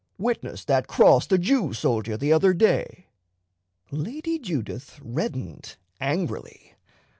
"Witness that cross the Jew sold you the other day." Lady Judith reddened angrily.